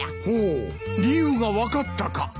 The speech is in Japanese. ほお理由が分かったか。